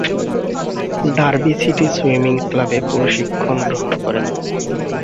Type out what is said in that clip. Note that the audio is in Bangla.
ডার্বি সিটি সুইমিং ক্লাবে প্রশিক্ষণ গ্রহণ করেন।